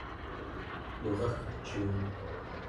muragcuun